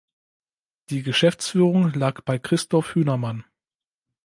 Die Geschäftsführung lag bei Christoph Hünermann.